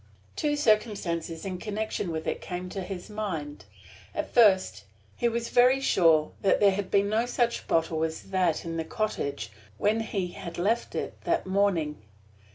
Two circumstances in connection with it came to his mind; first, he was very sure there had been no such bottle as that in the cottage when he had left it that morning.